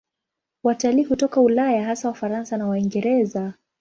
Watalii hutoka Ulaya, hasa Wafaransa na Waingereza.